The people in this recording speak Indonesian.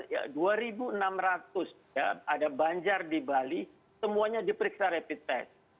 ya dua enam ratus ya ada banjar di bali semuanya diperiksa rapid test